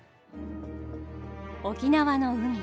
沖縄の海